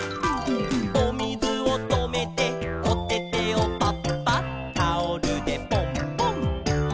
「おみずをとめておててをパッパッ」「タオルでポンポン」